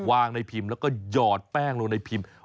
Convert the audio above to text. วางในพิมพ์แล้วก็หยอดแป้งลงในพิมพ์